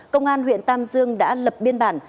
công an huyện tam dương đã lập biên bản